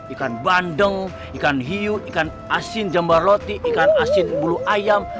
ikan bandeng ikan hiu ikan asin jambar roti ikan asin bulu ayam